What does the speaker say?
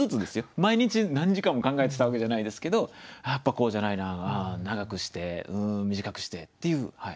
毎日何時間も考えてたわけじゃないですけどやっぱこうじゃないな長くしてうん短くしてっていう。